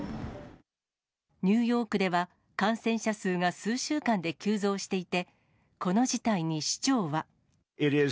ニューヨークでは感染者数が数週間で急増していて、この事態に市長は。